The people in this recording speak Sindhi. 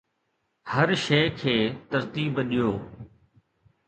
هر شي کي ترتيب ڏيو